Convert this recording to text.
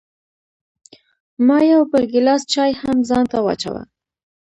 ما یو بل ګیلاس چای هم ځان ته واچوه.